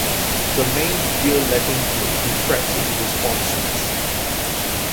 The main rear landing gear retracts into the sponsons.